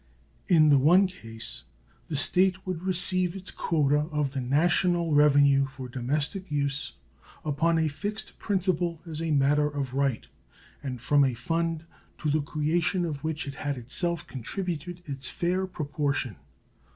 In the one case the State would receive its quota of the national revenue for domestic use upon a fixed principle as a matter of right, and from a fund to the creation of which it had itself contributed its fair proportion.